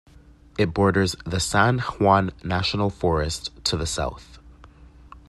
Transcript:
It borders the San Juan National Forest to the south.